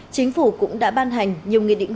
chính phủ cũng đã ban hành nhiều nghị định